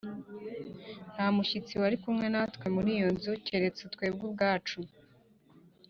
Nta mushyitsi wari kumwe natwe muri iyo nzu, keretse twebwe ubwacu